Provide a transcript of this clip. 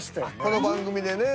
この番組でね。